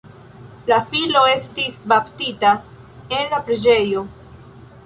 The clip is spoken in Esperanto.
La filo estis baptita en la preĝejo.